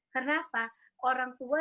kenapa orang tua